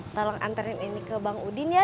tolong anterin ini ke bang udin ya